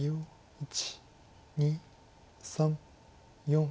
１２３４５。